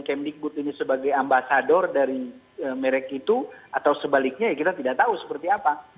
kemdikbud ini sebagai ambasador dari merek itu atau sebaliknya ya kita tidak tahu seperti apa